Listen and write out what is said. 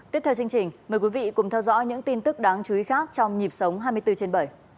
tiếp theo chương trình mời quý vị cùng theo dõi những tin tức đáng chú ý khác trong nhịp sống hai mươi bốn trên bảy